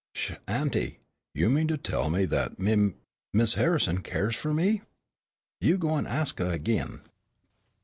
"Sh, auntie, do you mean to tell me that Mim Miss Harrison cares for me?" "You go an' ax huh ag'in."